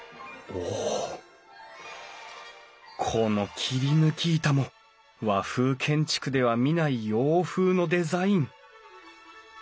この切り抜き板も和風建築では見ない洋風のデザイン。